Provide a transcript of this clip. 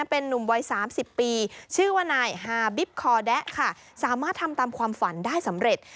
เป็นนุ่มวัย๓๐ปีชื่อว่านายฮาบิ๊บคอแด๊ะค่ะสามารถทำตามความฝันได้สำเร็จ